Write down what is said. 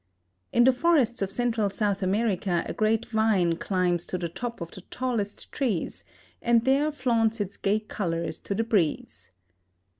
In the forests of Central South America a great vine climbs to the tops of the tallest trees and there flaunts its gay colors to the breeze.